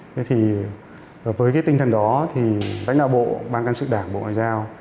thế thì với cái tinh thần đó thì đánh đạo bộ ban can sự đảng bộ ngoại giao